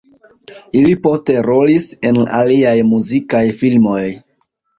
Ili poste rolis en aliaj muzikaj filmoj.